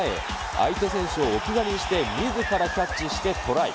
相手選手を置き去りにして、みずからキャッチしてトライ。